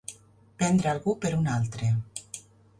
Prendre algú per un altre.